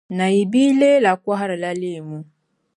Nayi bia Leela kɔhirila leemu.